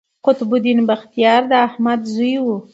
قطب الدین بختیار د احمد زوی دﺉ.